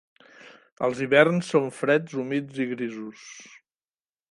Els hiverns són freds, humits i grisos.